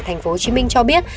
tp hcm cho biết